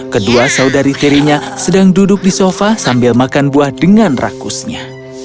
kedua saudari tirinya sedang duduk di sofa sambil makan buah dengan rakusnya